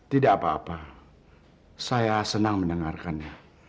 tidak apa apa saya senang mendengarkannya